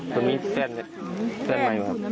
ต้องมีแป้นไหม